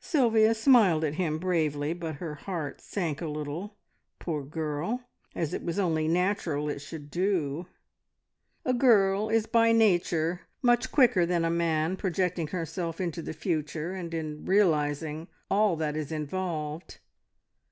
Sylvia smiled at him bravely, but her heart sank a little, poor girl, as it was only natural it should do. A girl is by nature much quicker than a man projecting herself into the future, and in realising all that is involved.